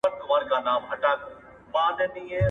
نوبهاره ګوندي راسې.